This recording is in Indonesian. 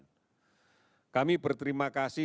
kami berterima kasih dan berterima kasih kepada anda